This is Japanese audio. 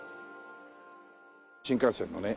新幹線のね